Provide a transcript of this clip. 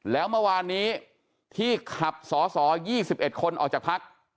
แล้วเมื่อวานนี้ที่ขับสอสอ๒๑คนออกจากพัก